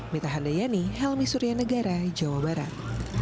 mita handayani helmi suryanegara jawa barat